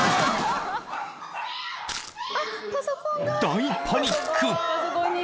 ・［大パニック！］